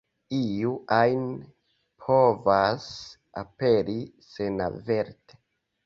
Iu ajn povas aperi senaverte.